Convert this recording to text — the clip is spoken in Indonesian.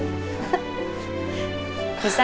gak gitu sih